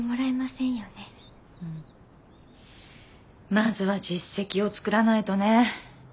まずは実績を作らないとね。